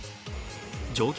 乗客